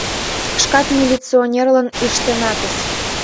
Шкат милиционерлан ыштенатыс.